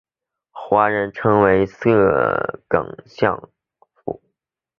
华人称其为色梗港府。